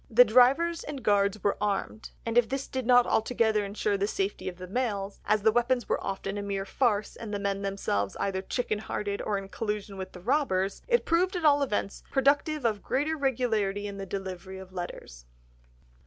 The drivers and guards were armed, and if this did not altogether ensure the safety of the mails—as the weapons were often a mere farce, and the men themselves either chicken hearted or in collusion with the robbers—it proved, at all events, productive of greater regularity in the delivery of letters.